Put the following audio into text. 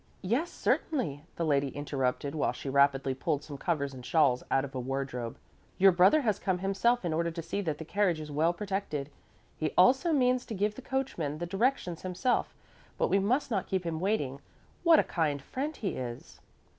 "Yes, certainly," the lady interrupted, while she rapidly pulled some covers and shawls out of a wardrobe. "Your brother has come himself in order to see that the carriage is well protected. He also means to give the coachman the directions himself, but we must not keep him waiting. What a kind friend he is!"